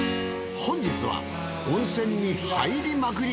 本日は温泉に入りまくり！